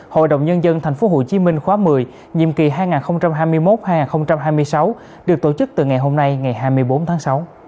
hội đồng nhân dân tp hcm khóa một mươi nhiệm kỳ hai nghìn hai mươi một hai nghìn hai mươi sáu được tổ chức từ ngày hôm nay ngày hai mươi bốn tháng sáu